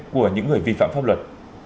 của những người vi phạm pháp luật